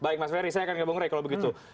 baik mas ferry saya akan ke bung rey kalau begitu